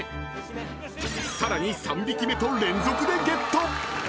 ［さらに３匹目と連続でゲット］